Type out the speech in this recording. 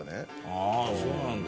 ああそうなんだ。